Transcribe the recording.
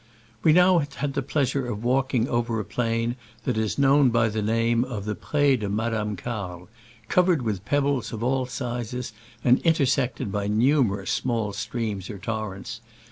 We had now the pleasure of walking over a plain that is known by the name of the Pre de Madame Carle, covered with pebbles of all sizes and intersected by numerous small streams or torrents.